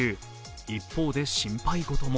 一方で心配事も。